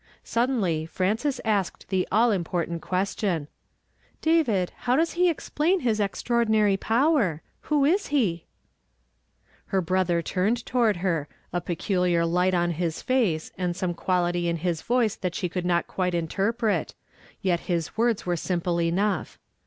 Sud denly Frances asked the all important question, —" David, how does he explain his extraordinary power? Who is he?" t'lS 44 YESTERDAY FKAM'eD IN TO DAY. till Her brother Uinied toward her, a peculiar light oil Ills hwv, and some quality in liis voice that hi .o could not quite interpret; yet his words were wimple enough.